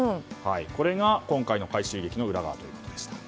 これが今回の回収劇の裏側ということでした。